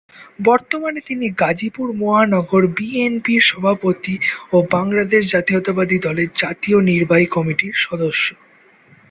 বর্তমানে তিনি গাজীপুর মহানগর বিএনপির সভাপতি ও বাংলাদেশ জাতীয়তাবাদী দলের জাতীয় নির্বাহী কমিটির সদস্য।